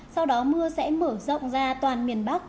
sau đó mưa sẽ mở rộng ra toàn miền bắc